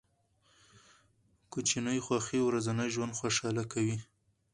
کوچني خوښۍ ورځنی ژوند خوشحاله کوي.